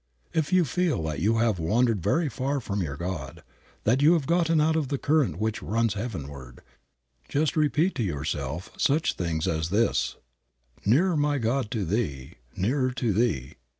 If you feel that you have wandered very far from your God, that you had gotten out of the current which runs Heavenward, just repeat to yourself such things as this, "Nearer My God to Thee, Nearer to Thee."